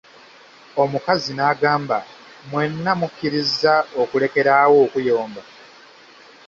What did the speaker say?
Omukazi n'agamba, mwena mukiliza okulekela awo okuyomba?